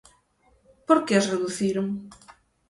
¿Por que as reduciron?